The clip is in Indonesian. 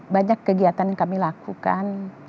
banyak kegiatan yang kami lakukan